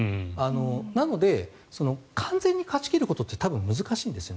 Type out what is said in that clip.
なので、完全に勝ち切ることって多分難しいんですよね。